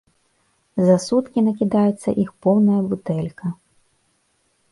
За суткі накідаецца іх поўная бутэлька.